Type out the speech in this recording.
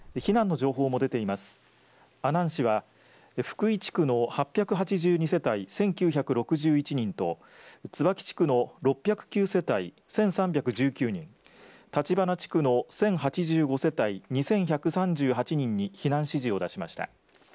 阿南市は福井地区の８８２世帯１９６１人と椿地区の６０９世帯１３１９人橘地区の１０８５世帯２１３８人に避難指示を出しました。